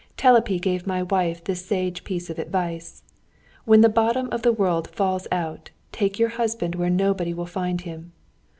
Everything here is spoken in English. Telepi gave my wife this sage piece of advice. "When the bottom of the world falls out, take your husband where nobody will find him."